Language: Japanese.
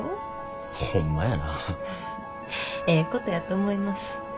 ええことやと思います。